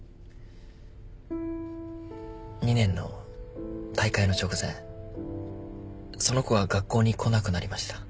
２年の大会の直前その子が学校に来なくなりました。